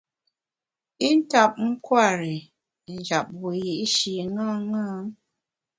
I ntap nkwer i njap wiyi’shi ṅaṅâ.